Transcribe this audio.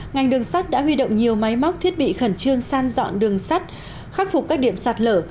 ngành đường sắt đã huy động nhiều máy móc thiết bị khẩn trương san dọn đường sắt khắc phục các điểm sạt lở